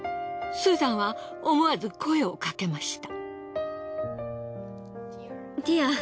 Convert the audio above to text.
スーザンは思わず声をかけました。